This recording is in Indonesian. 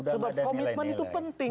sebab komitmen itu penting